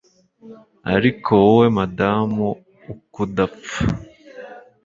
Ariko Wowe Madamu Ukudapfa